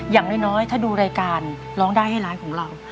อย่างน้อยถ้าดูรายการร้องได้ให้ร้านของเรา